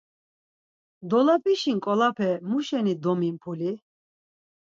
Dolap̌işi nǩolape muşeni domimpuli?